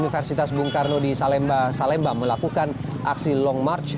universitas bung karno di salemba salemba melakukan aksi long march